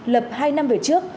lập hai năm về trước